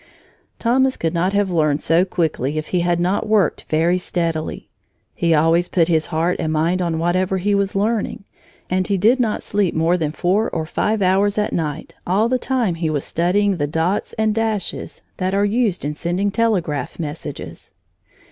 Thomas could not have learned so quickly if he had not worked very steadily. He always put his heart and mind on whatever he was learning, and he did not sleep more than four or five hours at night all the time he was studying the dots and dashes that are used in sending telegraph messages.